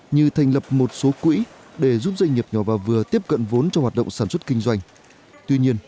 như thành lập một số quỹ để giúp doanh nghiệp nhỏ vào vừa tiếp cận vốn cho hoạt động sản xuất kinh doanh